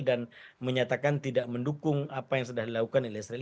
dan menyatakan tidak mendukung apa yang sudah dilakukan israel